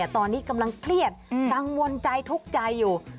ตอนนี้กำลังเครียดกังวลใจทุกข์ใจอยู่